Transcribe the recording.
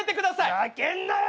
ふざけんなよ！